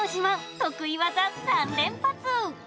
得意技３連発！